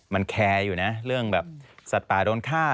มันแคร์อยู่นะเรื่องแบบสัตว์ป่าโดนฆ่า